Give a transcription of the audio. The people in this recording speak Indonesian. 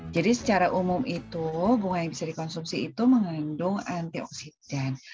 jadi secara umum itu bunga yang bisa dikonsumsi mengandung antioksidan